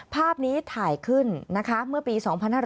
ภาพนี้ถ่ายขึ้นนะคะเมื่อปี๒๕๕๙